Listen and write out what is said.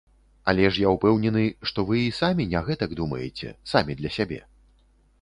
Але ж я ўпэўнены, што вы і самі не гэтак думаеце, самі для сябе.